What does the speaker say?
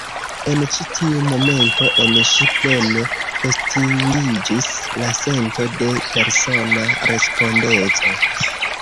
En ĉi tiu momento en ŝi plene estingiĝis la sento de persona respondeco.